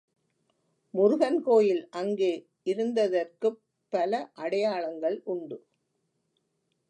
முருகன் கோயில் அங்கே இருந்ததற்குப் பல அடையாளங்கள் உண்டு.